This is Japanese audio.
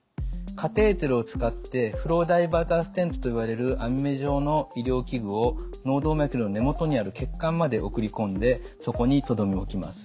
カテーテルを使ってフローダイバーターステントといわれる網目状の医療器具を脳動脈瘤の根元にある血管まで送り込んでそこにとどめ置きます。